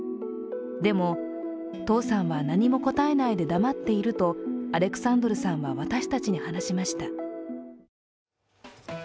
でも、父さんは何も答えないで黙っているとアレクサンドルさんは私たちに話しました。